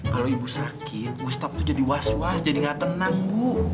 kalo ibu sakit gustaf tuh jadi was was jadi gak tenang bu